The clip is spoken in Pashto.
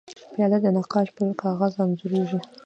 پیاله د نقاش پر کاغذ انځورېږي.